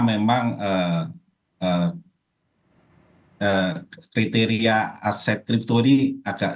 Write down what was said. memang kriteria aset crypto ini agak